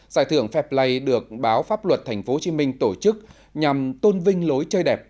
giải thưởng fair play được báo pháp luật tp hcm tổ chức nhằm tôn vinh lối chơi đẹp